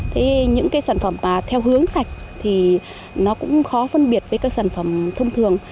thế những cái sản phẩm theo hướng sạch thì nó cũng khó phân biệt với các sản phẩm thông thường